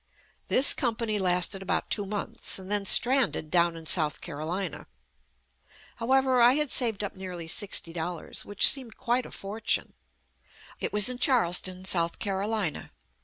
This company lasted about two months, then stranded down in South Carolina. However, I had saved up nearly sixty dollars, which JUST ME seemed quite a fortune. It was in Charleston, South Carolina.